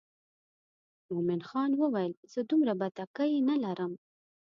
مومن خان وویل زه دومره بتکۍ نه لرم.